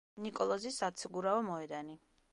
ნიკოლოზის საციგურაო მოედანი.